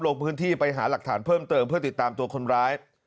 ลงพื้นที่ไปหาหลักฐานเพิ่มเติมเพื่อติดตามตัวคนร้าย